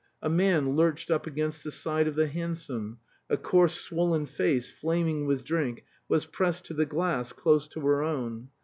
A man lurched up against the side of the hansom; a coarse swollen face flaming with drink was pressed to the glass, close to her own.